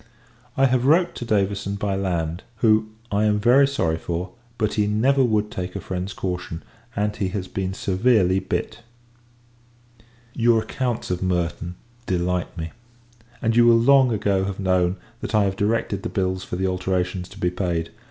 I have wrote to Davison, by land: who, I am very sorry for; but, he never would take a friend's caution, and he has been severely bit. Your accounts of Merton delight me; and you will long ago have known, that I have directed the bills for the alterations to be paid.